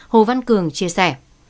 hồ văn cường chia sẻ